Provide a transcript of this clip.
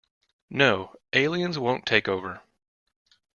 No, Aliens won't take over.